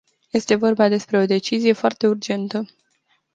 Este vorba despre o decizie foarte urgentă.